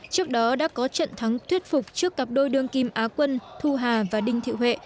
trước đó đã có trận thắng thuyết phục trước cặp đôi đương kim á quân thu hà và đinh thị huệ